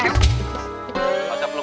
gak usah peluk peluk